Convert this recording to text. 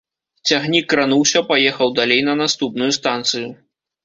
Цягнік крануўся, паехаў далей на наступную станцыю.